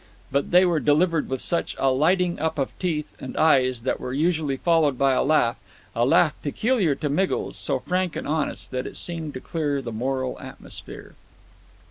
But they were delivered with such a lighting up of teeth and eyes, and were usually followed by a laugh a laugh peculiar to Miggles so frank and honest that it seemed to clear the moral atmosphere.